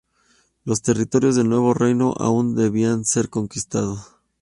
Los territorios del nuevo reino aún debían ser conquistados.